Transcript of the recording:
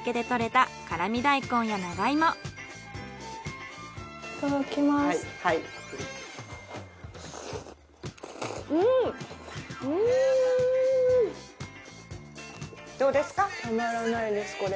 たまらないですこれ。